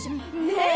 ねえ！